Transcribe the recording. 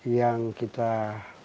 yang kita menjelaskan